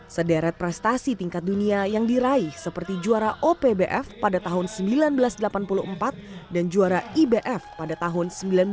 sederet prestasi tingkat dunia yang diraih seperti juara opbf pada tahun seribu sembilan ratus delapan puluh empat dan juara ibf pada tahun seribu sembilan ratus sembilan puluh